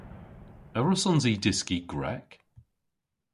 A wrussons i dyski Grek?